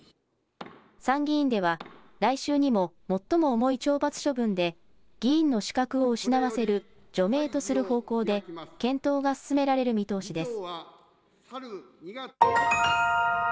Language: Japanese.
参議院では来週にも最も重い懲罰処分で議員の資格を失わせる除名とする方向で検討が進められる見通しです。